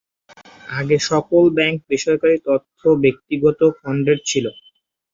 আগে সকল ব্যাঙ্ক বেসরকারী তথা ব্যক্তিগত খণ্ডের ছিল।